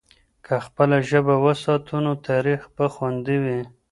که خپله ژبه وساتو، نو تاریخ به خوندي وي.